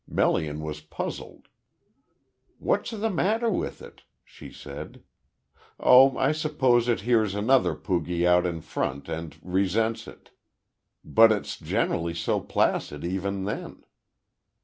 Melian was puzzled. "What's the matter with it?" she said. "Oh, I suppose it hears another poogie out in front, and resents it. But it's generally so placid, even then."